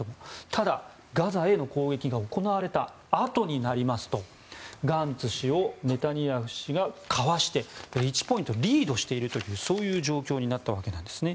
ただ、ガザへの攻撃が行われたあとになりますとガンツ氏をネタニヤフ氏がかわして１ポイントリードしているというそういう状況になったわけなんですね。